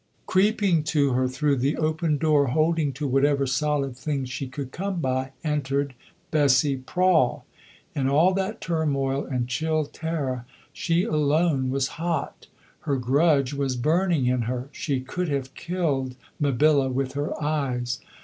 Creeping to her through the open door, holding to whatever solid thing she could come by, entered Bessie Prawle. In all that turmoil and chill terror she alone was hot. Her grudge was burning in her. She could have killed Mabilla with her eyes.